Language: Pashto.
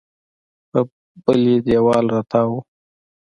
په بلې دېوال راتاو و.